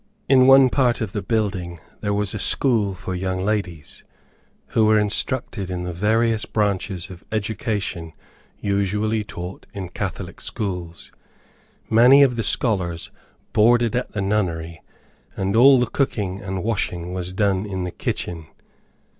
In one part of the building there was a school for young ladies, who were instructed in the various branches of education usually taught in Catholic schools. Many of the scholars boarded at the nunnery, and all the cooking and washing was done in the kitchen.